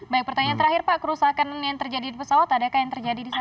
baik pertanyaan terakhir pak kerusakan yang terjadi di pesawat adakah yang terjadi di sana